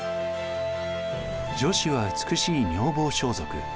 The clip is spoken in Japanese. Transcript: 女子は美しい女房装束